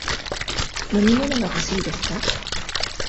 飲み物が欲しいですか？